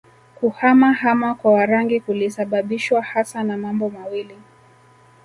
Kuhama hama kwa Warangi kulisababishwa hasa na mambo mawili